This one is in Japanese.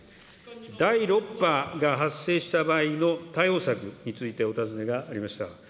第６波が発生した場合の対応策についてお尋ねがありました。